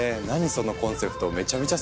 そのコンセプトめちゃめちゃ